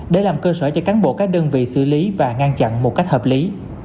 để làm cơ sở cho cán bộ các đơn vị xử lý và ngăn chặn một cách hợp lý